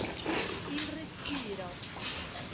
Il respiro.